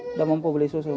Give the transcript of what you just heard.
nggak mampu beli susu